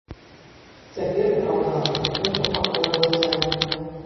Цяпер, праўда, усё супакоілася.